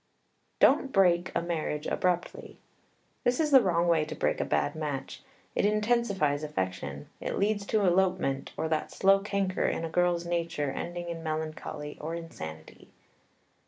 Don't break a marriage abruptly. This is the wrong way to break a bad match. It intensifies affection. It leads to elopement, or that slow canker in a girl's nature ending in melancholy, or insanity.